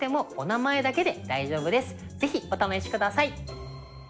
是非お試しください。